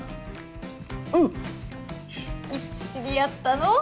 うんいつ知り合ったの？